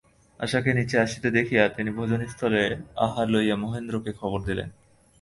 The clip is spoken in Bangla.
আশাকে নীচে আসিতে দেখিয়া তিনি ভোজনস্থলে আহার লইয়া মহেন্দ্রকে খবর দিলেন।